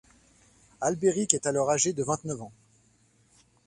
Albéric est alors âgé de vingt-neuf ans.